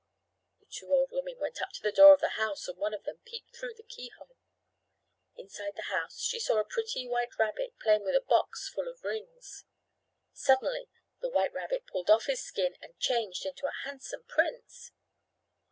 The two old women went up to the door of the house and one of them peeped through the keyhole. Inside the house she saw a pretty white rabbit playing with a box full of rings. Suddenly the white rabbit pulled off his skin and changed into a handsome prince.